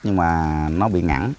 nhưng mà nó bị ngẳng